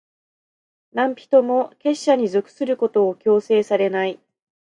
何人も、結社に属することを強制されない。